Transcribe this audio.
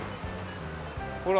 ほら！